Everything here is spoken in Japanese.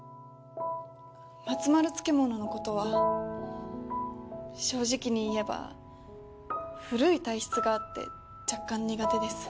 まつまる漬物のことは正直に言えば古い体質があって若干苦手です。